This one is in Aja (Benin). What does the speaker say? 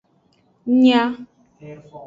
Nya.